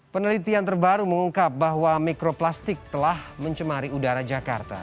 penelitian terbaru mengungkap bahwa mikroplastik telah mencemari udara jakarta